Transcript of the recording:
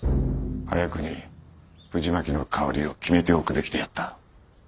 早くに藤巻の代わりを決めておくべきであった。